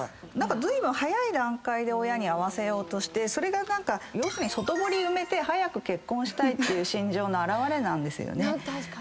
何かずいぶん早い段階で親に会わせようとしてそれが要するに外堀埋めて早く結婚したいっていう心情の表れなんですよね。